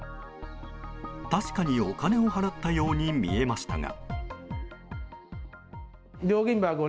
確かにお金を払ったように見えましたが。